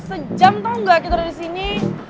sejam tau gak kita udah disini